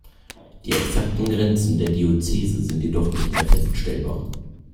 Die exakten Grenzen der Diözese sind jedoch nicht mehr feststellbar.